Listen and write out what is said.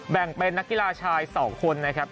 แบ่งเป็นนักกีฬาชาย๒คนนะครับ